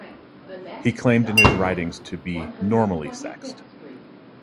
He claimed in his writings to be "normally sexed".